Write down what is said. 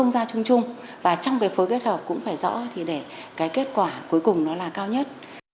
và trong cái phối kết hợp cũng phải rõ để cái kết quả cuối cùng nó là cao nhất